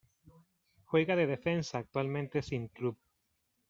Juega de defensa actualmente sin club.